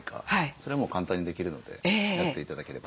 それはもう簡単にできるのでやって頂ければと思います。